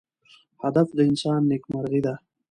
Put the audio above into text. هدف د انسان نیکمرغي ده.